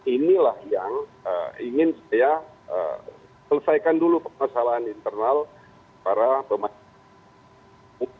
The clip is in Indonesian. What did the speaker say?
inilah yang ingin saya selesaikan dulu permasalahan internal para pemain